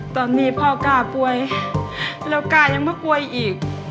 ตอนนี้พ่อกล้าป่วยแล้วกล้ายังมาป่วยอีก